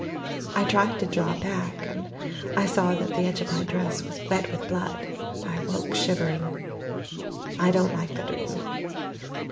I tried to draw back and I saw that the edge of my dress was wet with blood and I woke shivering. I don't like the dream.